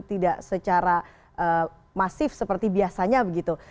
tidak secara masif seperti biasanya begitu